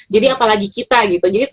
jadi apalagi kita gitu